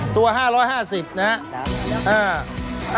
ตัว๕๕๐นะครับ